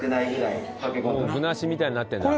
具なしみたいになってるんだ。